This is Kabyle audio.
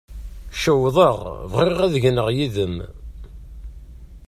Cewḍeɣ, bɣiɣ ad gneɣ yid-m.